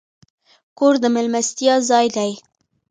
کور د میلمستیا ځای دی.